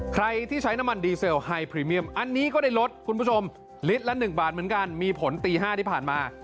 ๑บาทเหมือนกันมีผลตี๕ที่ผ่านมา